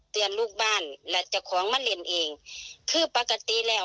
เขาก็ต้องประชาสัมพันธ์แจ่งลูกบ้านอยู่แล้ว